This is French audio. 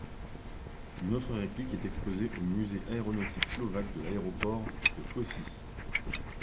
Une autre réplique est exposée au musée aéronautique slovaque de l'aéroport de Kosice.